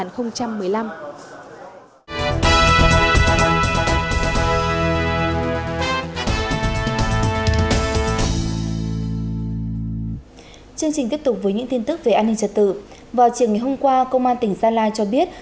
chương trình tiếp tục với những tin tức về an ninh trật tự vào chiều ngày hôm qua công an tỉnh gia lai cho biết